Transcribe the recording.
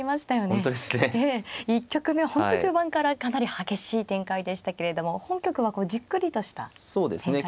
本当序盤からかなり激しい展開でしたけれども本局はじっくりとした展開ですね。